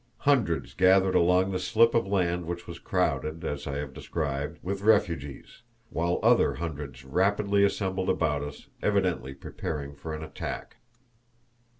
Hundreds gathered along the slip of land which was crowded as I have described, with refugees, while other hundreds rapidly assembled about us, evidently preparing for an attack.